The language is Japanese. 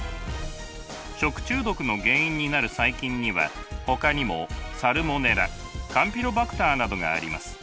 食中毒の原因になる細菌にはほかにもサルモネラカンピロバクターなどがあります。